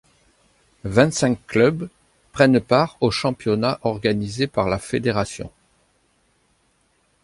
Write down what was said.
Vingt-cinq clubs prennent part au championnat organisé par la fédération.